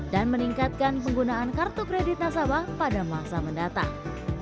dan meningkatkan penggunaan kartu kredit nasabah pada masa mendatang